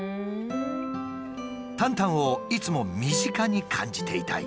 「タンタンをいつも身近に感じていたい」。